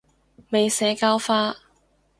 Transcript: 未社教化